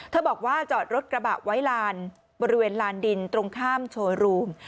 บอกว่าจอดรถกระบะไว้ลานบริเวณลานดินตรงข้ามโชว์รูม